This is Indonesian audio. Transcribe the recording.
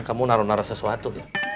kamu naruh naruh sesuatu